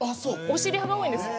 お尻派が多いんです。